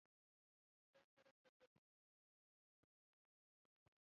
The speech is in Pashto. _له چا سره خو به دي نه و ي خوړلي؟